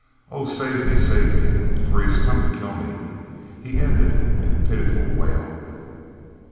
"Oh, save me, save me! for he has come to kill me," he ended in a pitiful wail.